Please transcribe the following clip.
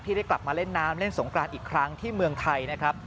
ได้กลับมาเล่นน้ำเล่นสงกรานอีกครั้งที่เมืองไทยนะครับ